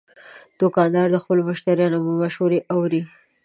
دوکاندار د خپلو مشتریانو مشورې اوري.